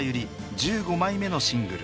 １５枚目のシングル。